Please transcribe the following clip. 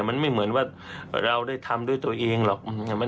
มันไม่เหมือนว่าเราได้ทำด้วยตัวเองหรอก